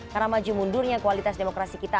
karena maju mundurnya kualitas demokrasi kita